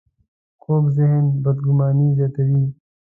کوږ ذهن بدګماني زیاتوي